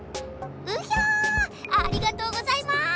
うひゃありがとうございます！